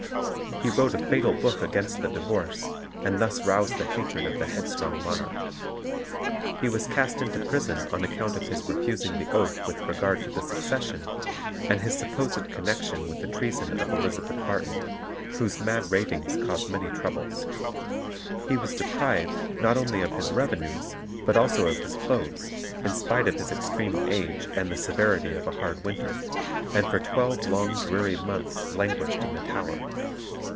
He wrote a fatal book against the divorce, and thus roused the hatred of the headstrong monarch. He was cast into prison on account of his refusing the oath with regard to the succession, and his supposed connection with the treason of Elizabeth Barton, whose mad ravings caused many troubles; he was deprived, not only of his revenues, but also of his clothes, in spite of his extreme age and the severity of a hard winter, and for twelve long dreary months languished in the Tower.